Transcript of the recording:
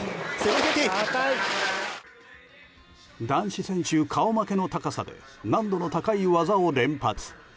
男子選手顔負けの高さで難度の高い技を連発。